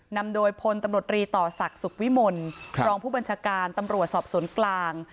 นำโดยพนธต่อสักศุรกวิมนต์พรองผู้บัญชาการตำรวจสอบศนกลาง